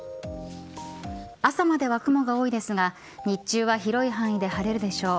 朝までは雲が多いですが日中は広い範囲で晴れるでしょう。